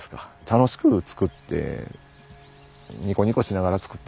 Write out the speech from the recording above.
楽しく作ってニコニコしながら作っ